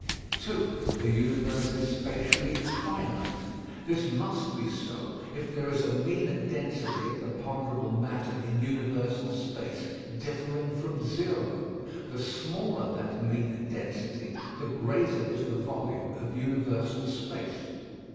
2. The universe is spatially finite. This must be so, if there is a mean density of the ponderable matter in universal space differing from zero. The smaller that mean density, the greater is the volume of universal space.